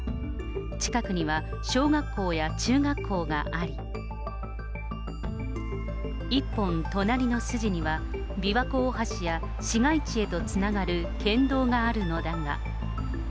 近くには小学校や中学校があり、１本隣の筋には、琵琶湖大橋や市街地へとつながる県道があるのだが。